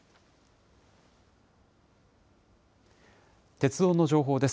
鉄道の情報です。